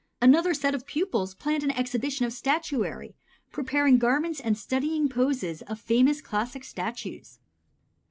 Another set of pupils planned an exhibition of statuary, preparing garments and studying poses of famous classic statues.